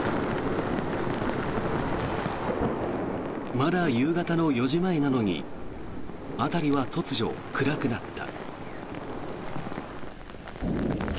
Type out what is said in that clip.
まだ夕方の４時前なのに辺りは突如暗くなった。